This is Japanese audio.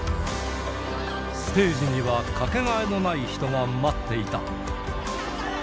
ステージには掛けがえのない人が待っていた。